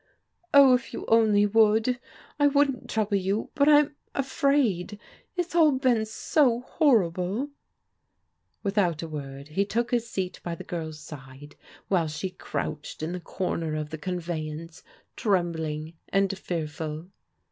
" Oh, if you only would ! I wouldn't trouble you — but I'm afraid !— it's all been so horrible !" Without a word he took his seat by the girl's side, while she crouched in the comer of the conveyance, trembling and fearful.